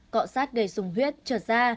cọ sát gây sùng huyết trợt da